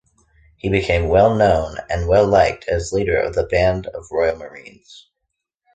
He became well-known and well-liked as leader of the Band of the Royal Marines.